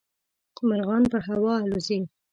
مرغان په هوا الوزي.